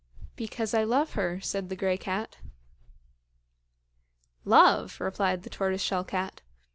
"Because I love her," said the grey cat. "Love!" replied the tortoiseshell cat.